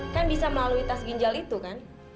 kan bisa melalui tas ginjal itu kan